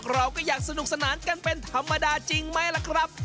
เราก็อยากสนุกสนานกันเป็นธรรมดาจริงไหมล่ะครับ